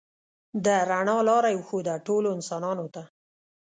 د رڼا لاره یې وښوده ټولو انسانانو ته.